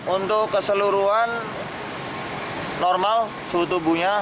untuk keseluruhan normal suhu tubuhnya